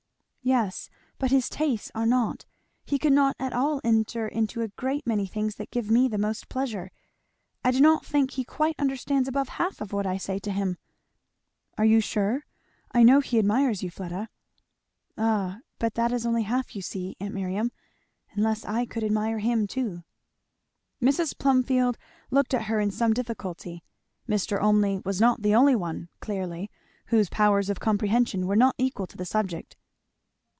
"Yes, but his tastes are not. He could not at all enter into a great many things that give me the most pleasure. I do not think he quite understands above half of what I say to him." "Are you sure? I know he admires you, Fleda." "Ah, but that is only half enough, you see, aunt Miriam, unless I could admire him too." Mrs. Plumfield looked at her in some difficulty; Mr. Olmney was not the only one, clearly, whose powers of comprehension were not equal to the subject.